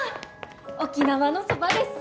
沖縄のそばです。